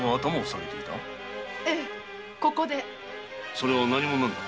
それは何者なのだ？